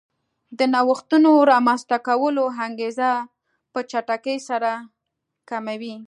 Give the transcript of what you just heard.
د نوښتونو رامنځته کولو انګېزه په چټکۍ سره کموي